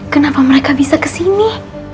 kenapa mereka bisa ke sini